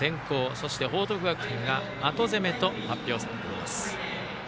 そして、報徳学園が後攻めと発表されています。